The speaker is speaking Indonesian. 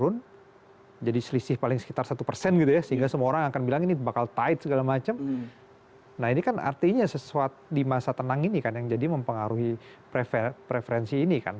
nah ini kan artinya sesuatu di masa tenang ini kan yang jadi mempengaruhi preferensi ini kan